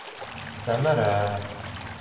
Сәмәрә...